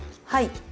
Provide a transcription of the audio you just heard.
はい。